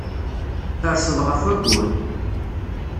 Terseḍ ɣef wayyur.